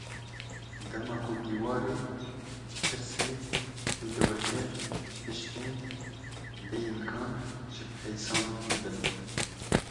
Dema ku dîwarê tirsê hildiweşe, tiştên bêîmkan jî hêsan dibin.